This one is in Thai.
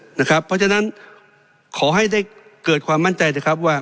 เพราะฉะนั้นขอให้ได้เกิดความมั่นใจนะครับว่า